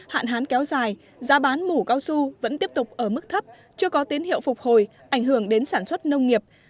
hạn hán kéo dài giá bán mũ cao su vẫn tiếp tục ở mức thấp chưa có tín hiệu phục hồi ảnh hưởng đến sản xuất nông nghiệp